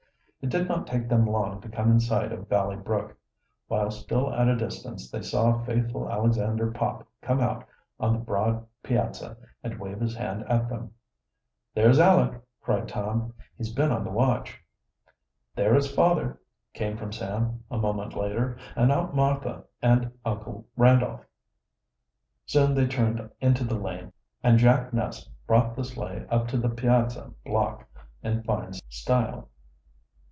It did not take them long to come in sight of Valley Brook. While still at a distance they saw faithful Alexander Pop come out on the broad piazza and wave his hand at them. "There's Aleck!" cried Tom. "He's been on the watch!" "There is father!" came from Sam, a moment later; "and aunt Martha and Uncle Randolph!" Soon they turned into the lane, and Jack Ness brought the sleigh up to the piazza block in fine style.